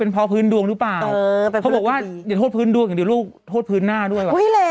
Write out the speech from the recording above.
โทษพื้นดวงอย่างเดียวลูกโทษพื้นหน้าด้วย